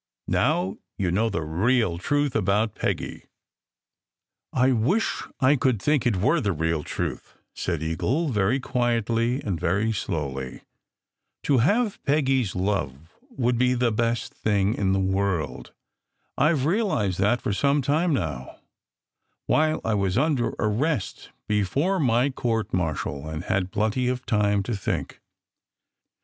Now you know the real truth about Peggy." "I wish I could think it were the real truth," said Eagle very quietly and very slowly. "To have Peggy s love would be the best thing in the world. I ve realized that for some time now while I was under arrest before my court martial and had plenty of time to think.